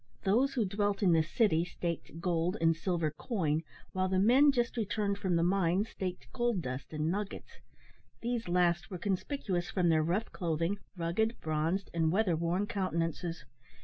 Those who dwelt in the city staked gold and silver coin, while the men just returned from the mines staked gold dust and nuggets. These last were conspicuous from their rough clothing, rugged, bronzed, and weather worn countenances.